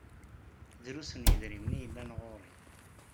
Drus n yedrimen i yellan ɣur-i.